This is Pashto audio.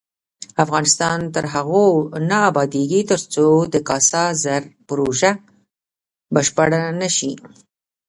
افغانستان تر هغو نه ابادیږي، ترڅو د کاسا زر پروژه بشپړه نشي.